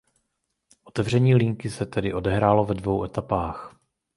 Otevření linky se tedy odehrálo ve dvou etapách.